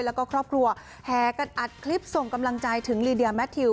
แล้วก็ครอบครัวแห่กันอัดคลิปส่งกำลังใจถึงลีเดียแมททิว